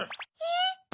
えっ？